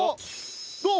どう？